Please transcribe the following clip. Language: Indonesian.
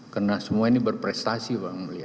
karena semua ini berprestasi pak mulia